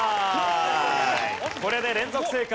これで連続正解。